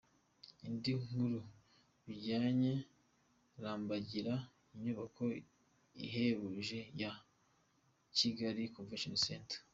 Indi nkuru bijyanye:Rambagira inyubako ihebuje ya Kigali Convention Center.